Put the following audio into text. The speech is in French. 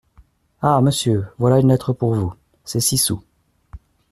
Ah ! monsieur, voilà une lettre pour vous ! c’est six sous.